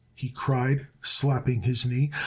he cried slapping his knee.